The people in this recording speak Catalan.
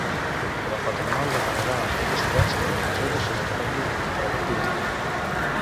La patronal demanarà als magistrats que les mesures se suspenguin preventivament.